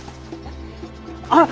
あっ！